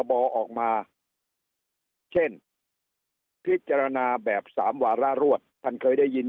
บอออกมาเช่นพิจารณาแบบสามวาระรวดท่านเคยได้ยิน